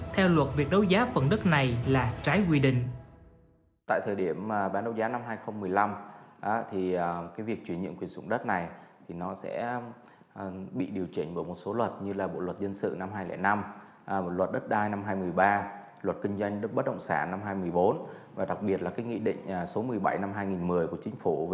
theo luật việc đấu giá phần đất này là trái quy định